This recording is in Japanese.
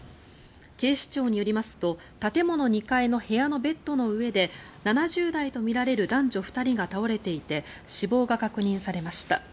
警視庁によりますと建物２階の部屋のベッドの上で７０代とみられる男女２人が倒れていて死亡が確認されました。